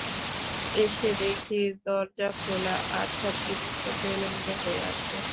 এসে দেখি দরজা খোলা আর সব জিনিসপত্র এলোমেলো হয়ে আছে।